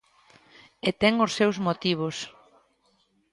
E ten os seus motivos.